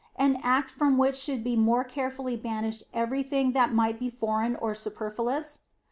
an act from which should be more carefully banished everything that might be foreign or superfluous?